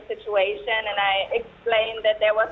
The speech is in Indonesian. jadi mereka mengerti apa yang terjadi